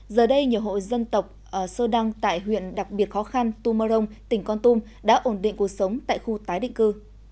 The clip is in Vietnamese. giờ đây nhiều hộ dân tộc sơ đăng tại huyện đặc biệt khó khăn tumarong tỉnh con tum đã ổn định cuộc sống tại khu tái định cư